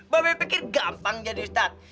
bapak pikir gampang jadi ustadz